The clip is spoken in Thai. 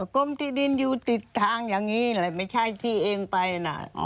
กรมที่ดินอยู่ติดทางอย่างนี้แหละไม่ใช่ที่เองไปนะ